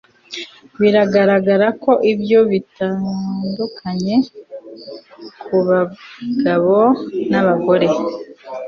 Biragaragara ko ibyo bitandukanye kubagabo nabagore